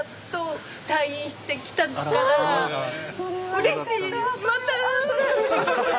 うれしい！